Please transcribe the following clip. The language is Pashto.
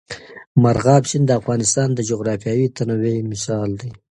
مورغاب سیند د افغانستان د جغرافیوي تنوع مثال دی.